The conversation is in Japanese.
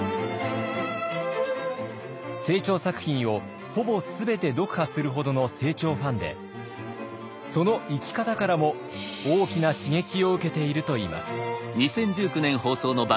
清張作品をほぼ全て読破するほどの清張ファンでその生き方からも大きな刺激を受けているといいます。